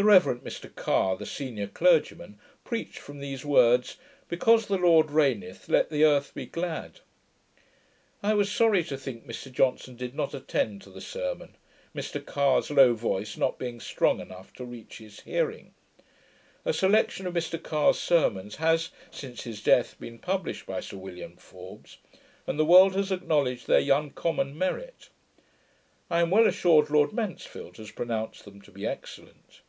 The Reverend Mr Carre, the senior clergyman, preached from these words, 'Because the Lord reigneth, let the earth be glad.' I was sorry to think Mr Johnson did not attend to the sermon, Mr Carre's low voice not being strong enough to reach his hearing. A selection of Mr Carre's sermons has, since his death, been published by Sir William Forbes, and the world has acknowledged their uncommon merit. I am well assured Lord Mansfield has pronounced them to be excellent.